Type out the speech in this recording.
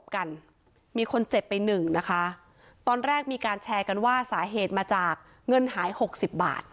กันมีคนเจ็บไปหนึ่งนะคะตอนแรกมีการแชร์กันว่าสาเหตุมาจากเงินหายหกสิบบาท